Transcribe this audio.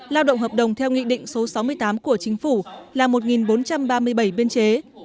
lao động hợp đồng theo nghị định số sáu mươi tám của chính phủ là một bốn trăm ba mươi bảy biên chế